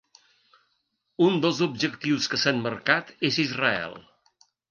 Un dels objectius que s’han marcat és Israel.